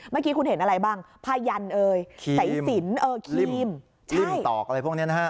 เมื่อกี้คุณเห็นอะไรบ้างผ้ายันเอ่ยสายสินเออครีมทิ้มตอกอะไรพวกนี้นะฮะ